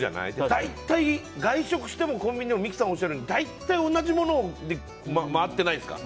大体、外食してもコンビニでも三木さんおっしゃるように大体、同じものを回ってないですか？